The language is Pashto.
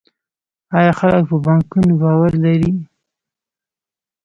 آیا خلک په بانکونو باور لري؟